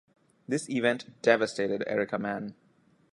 This event devastated Erika Mann.